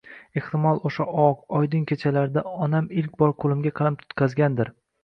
ehtimol o'sha oq, oydin kechalarda onam ilk bor qo'limga qalam tutqazgan-dir.